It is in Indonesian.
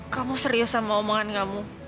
kamu serius sama omongan kamu